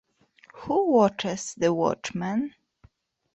Who Watches the Watchmen?